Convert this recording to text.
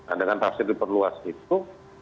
adakan tafsir diperluas itu